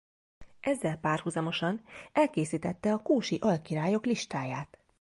Ezzel párhuzamosan elkészítette a kúsi alkirályok listáját.